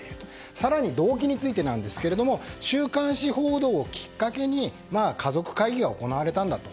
更に、動機については週刊誌報道をきっかけに家族会議が行われたんだと。